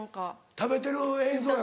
食べてる映像やろ？